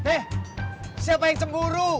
eh siapa yang cemburu